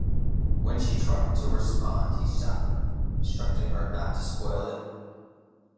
When she tried to respond he stopped her, instructing her not to spoil it.